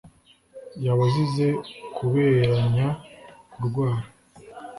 yaba azize kuberanya (kurwara)